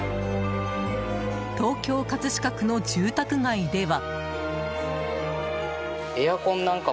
東京・葛飾区の住宅街では。